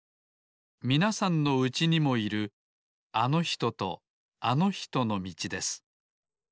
みなさんのうちにもいるあのひととあのひとのみちです